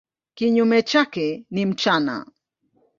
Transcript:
Kinyume chake ni mchana.